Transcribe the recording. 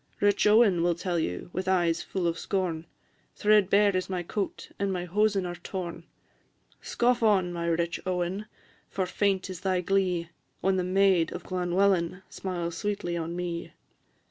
Rich Owen will tell you, with eyes full of scorn, Threadbare is my coat, and my hosen are torn: Scoff on, my rich Owen, for faint is thy glee When the maid of Llanwellyn smiles sweetly on me.